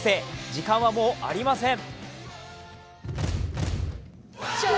時間はもうありません。